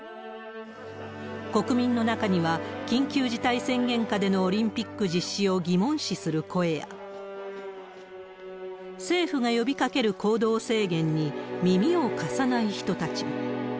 国民の中には、緊急事態宣言下でのオリンピック実施を疑問視する声や、政府が呼びかける行動制限に耳を貸さない人たちも。